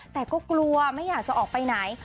แต่ก็กลัวไม่อยากจะออกไปไหน